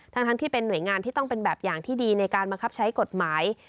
ทั้งที่เป็นหน่วยงานที่ต้องเป็นแบบอย่างที่ดีในการบังคับใช้กฎหมาย